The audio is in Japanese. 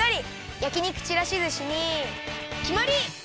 やき肉ちらしずしにきまり！